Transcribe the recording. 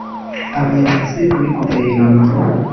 Abayobozi muri Guverinoma